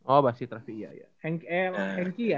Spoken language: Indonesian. oh basit basit iya ya